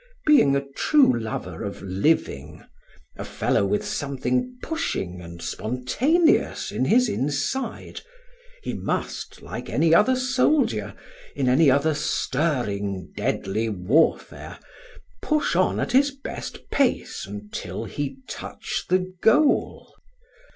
Being a true lover of living, a fellow with something pushing and spontaneous in his inside, he must, like any other soldier, in any other stirring, deadly warfare, push on at his best pace until he touch the goal.